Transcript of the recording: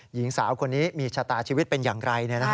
หญิงสาวคนนี้มีชะตาชีวิตเป็นอย่างไร